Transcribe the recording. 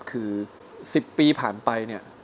คือ๑๐ปีผ่านไปเนี่ย